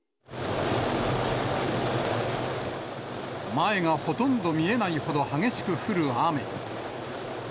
前がほとんど見えないほど激しく降る雨。